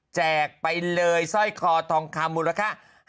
ไปเลยสร้อยคอทองคำมูลค่า